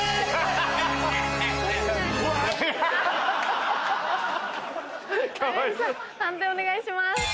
判定お願いします。